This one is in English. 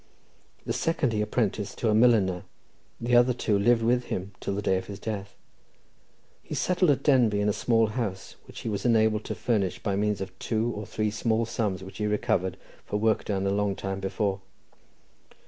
The second he apprenticed to a milliner, the other two lived with him till the day of his death. He settled at Denbigh in a small house, which he was enabled to furnish by means of two or three small sums which he recovered for work done a long time before.